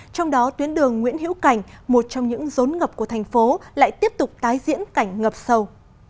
trong đó tuyến đường nguyễn hữu cảnh một trong những rốn ngập của thành phố lại tiếp tục tái diễn cảnh ngập sâu